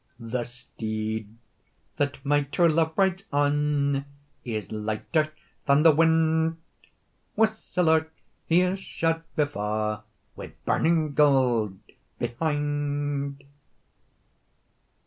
"The steed that my true love rides on Is lighter than the wind; Wi siller he is shod before Wi burning gowd behind."